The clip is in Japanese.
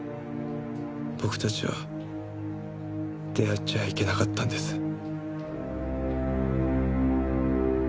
僕たちは出会っちゃいけなかったんです。